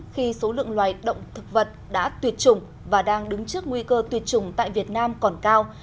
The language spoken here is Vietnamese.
khi số lượng loài động thực vật đã tuyệt chủng và đang đứng trước nguy cơ tuyệt chủng tại việt nam còn cao